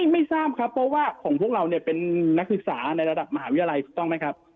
ไม่ทราบครับเพราะว่าของพวกเราเนี่ยเป็นนักศึกษาในระดับมหาวิทยาลัยถูกต้องไหมครับ